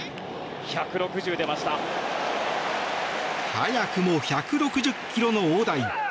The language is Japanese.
早くも１６０ｋｍの大台。